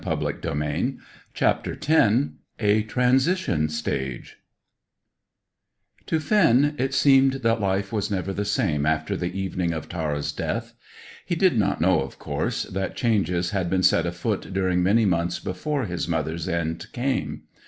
CHAPTER X A TRANSITION STAGE To Finn it seemed that life was never the same after the evening of Tara's death. He did not know, of course, that changes had been set afoot during many months before his mother's end came.